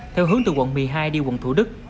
theo hướng từ quận một mươi hai đi quận thủ đức